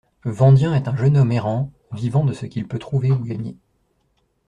Vandien est un jeune homme errant, vivant de ce qu'il peut trouver ou gagner.